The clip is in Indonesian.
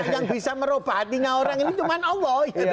yang bisa merubah hati orang ini cuma allah